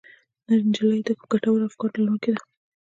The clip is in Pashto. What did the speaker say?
نجلۍ د ګټورو افکارو لرونکې ده.